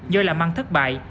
do là măng thất bại